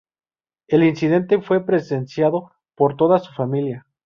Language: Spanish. El incidente fue presenciado por toda su familia.